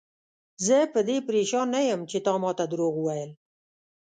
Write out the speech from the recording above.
زه په دې پریشان نه یم چې تا ماته دروغ وویل.